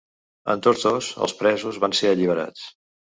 En tots dos, els presos van ser alliberats.